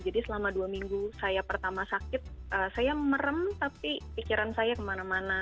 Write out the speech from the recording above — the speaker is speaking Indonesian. jadi selama dua minggu saya pertama sakit saya merem tapi pikiran saya kemana mana